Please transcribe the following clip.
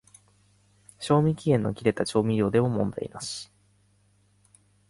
賞味期限の切れた調味料でも問題なし